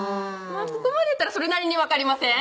ここまで言ったらそれなりに分かりません？